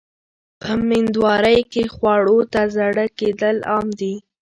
په مېندوارۍ کې خواړو ته زړه کېدل عام دي.